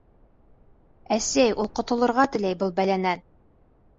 Әсәй, ул ҡотолорға теләй был бәләнән.